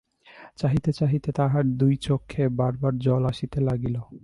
চাহিতে চাহিতে তাহার দুই চক্ষে বার বার জল আসিতে লাগিল।